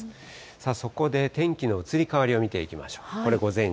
さあそこで、天気の移り変わりを見ていきましょう。